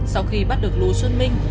sau khi bắt được lú xuân minh